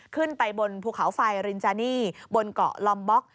ขึ้นไปบนภูเขาไฟรินจานี่บนเกาะลอมบ็อก